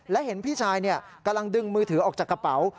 และเห็นพี่ชายกำลังดึงมือถือออกจากกระเป๋า